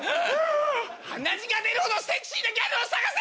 鼻血が出るほどセクシーなギャルを探せ！